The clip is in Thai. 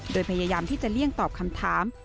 โดยพยายามที่จะเลี่ยงตอบคำถาม